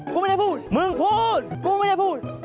กูไม่ได้พูดกูพูด